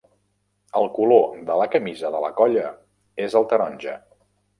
El color de camisa de la colla és el taronja.